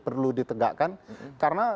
perlu ditegakkan karena